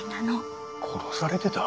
殺されてた？